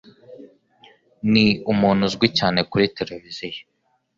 Ni umuntu uzwi cyane kuri tereviziyo.